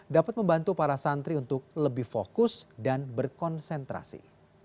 dapat membantu para santri untuk lebih fokus dan berkonsentrasi